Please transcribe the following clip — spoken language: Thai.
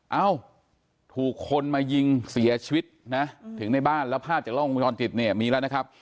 เอ้าถูกคนมายิงเสียชีวิตนะถึงในบ้านแล้วภาพจากล้องวงจรปิดเนี่ยมีแล้วนะครับ